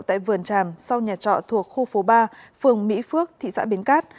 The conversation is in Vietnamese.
tại vườn tràm sau nhà trọ thuộc khu phố ba phường mỹ phước thị xã bến cát